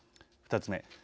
２つ目。